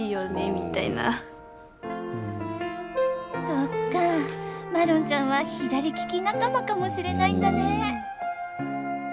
そっかマロンちゃんは左利き仲間かもしれないんだね。